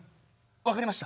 分かりました。